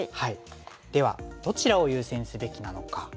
ではどちらを優先すべきなのか。